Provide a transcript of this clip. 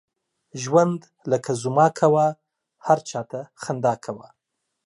ژوند لکه زما کوه، هر چاته خندا کوه.